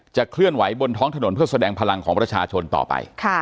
เคลื่อนไหวบนท้องถนนเพื่อแสดงพลังของประชาชนต่อไป